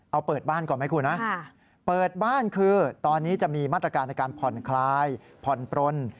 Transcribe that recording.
เอาเปิดบ้านก่อนไหมคุณนะเปิดบ้านคือตอนนี้จะมีมาตรการในการผ่อนคลายผ่อนปลน